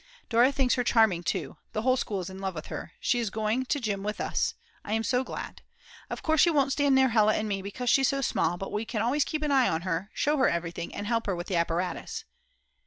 Dora thinks her charming too, the whole school is in love with her, she is going to gym. with us; I am so glad. Of course she won't stand near Hella and me because she's so small; but we can always keep an eye on her, show her everything, and help her with the apparatus.